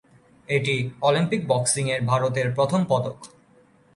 এটিই অলিম্পিক বক্সিং-এ ভারতের প্রথম পদক।